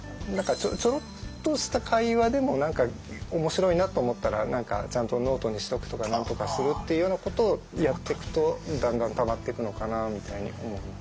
ちょろっとした会話でも何かおもしろいなと思ったらちゃんとノートにしとくとかなんとかするっていうようなことをやってくとだんだんたまってくのかなみたいに思います。